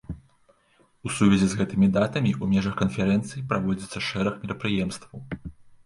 У сувязі з гэтымі датамі ў межах канферэнцыі праводзіцца шэраг мерапрыемстваў.